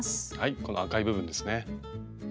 この赤い部分ですね。